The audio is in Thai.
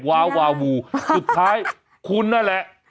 วาวาวูสุดท้ายคุณนั่นแหละ